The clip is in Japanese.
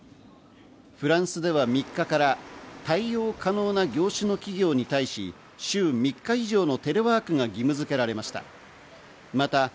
フランスでは３日から対応可能な業種の企業に対し、週３日以上のテレワークが義務づけられました。